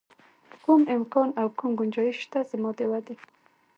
کوم امکان او کوم ګنجایش شته زما د ودې.